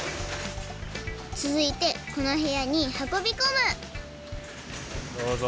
つづいてこのへやにはこびこむどうぞ。